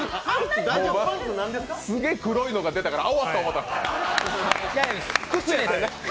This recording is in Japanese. すげぇ、黒いのが出たからうわっと思ったわ。